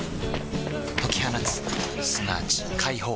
解き放つすなわち解放